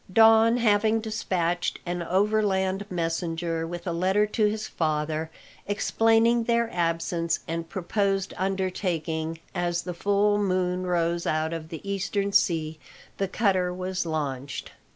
Don having despatched an overland messenger with a letter to his father, explaining their absence and proposed undertaking, as the full moon rose out of the eastern sea the cutter was launched.